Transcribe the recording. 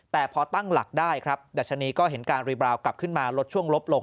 แต่พอตั้งหลักได้ครับดัชนีก็เห็นการรีบราวกลับขึ้นมาลดช่วงลบลง